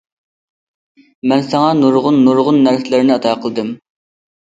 مەن ساڭا نۇرغۇن- نۇرغۇن نەرسىلەرنى ئاتا قىلدىم.